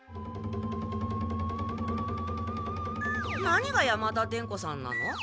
何が山田伝子さんなの？